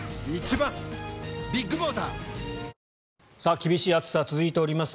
厳しい暑さ続いております。